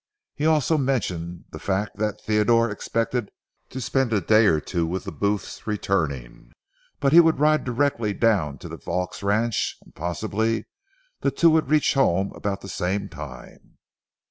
He also mentioned the fact that Theodore expected to spend a day or two with the Booths returning, but he would ride directly down to the Vaux ranch, and possibly the two would reach home about the same time.